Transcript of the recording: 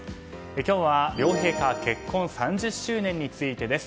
今日は両陛下結婚３０周年についてです。